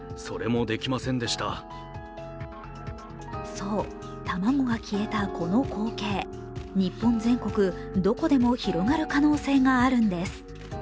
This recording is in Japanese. そう、卵が消えたこの光景、日本全国どこでも広がる可能性があるんです。